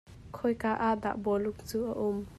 Khoi ka ah dah bawlung cu a um?